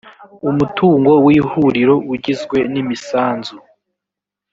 umutungo w ihuriro ugizwe n’imisanzu